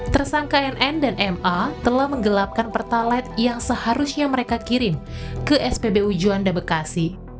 tersangka nn dan ma telah menggelapkan pertalite yang seharusnya mereka kirim ke spbu juanda bekasi